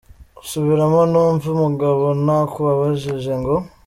Subiramo, numve !" Umugabo:"Nakubajije ngo .